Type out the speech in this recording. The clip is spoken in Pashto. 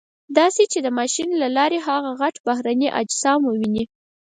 داسې چې د ماشین له لارې هغه غټ بهرني اجسام وویني.